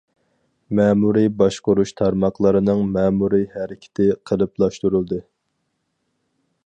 مەمۇرىي باشقۇرۇش تارماقلىرىنىڭ مەمۇرىي ھەرىكىتى قېلىپلاشتۇرۇلدى.